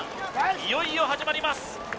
いよいよ始まります